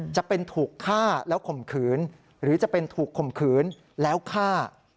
จะเป็นถูกฆ่าแล้วข่มขืนหรือจะเป็นถูกข่มขืนแล้วฆ่า